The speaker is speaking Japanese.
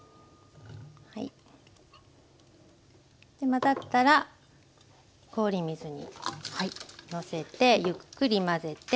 混ざったら氷水にのせてゆっくり混ぜて。